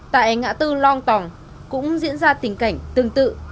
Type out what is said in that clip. tại ngã tư long tòng cũng diễn ra tình cảnh tương tự